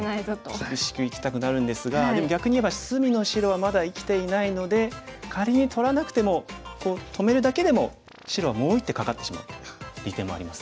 厳しくいきたくなるんですがでも逆にいえば隅の白はまだ生きていないので仮に取らなくても止めるだけでも白はもう１手かかってしまう利点もあります。